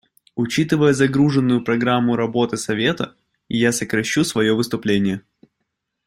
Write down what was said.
Учитывая загруженную программу работы Совета, я сокращу свое выступление.